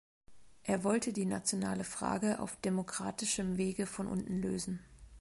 Er wollte die nationale Frage auf demokratischem Wege von unten lösen.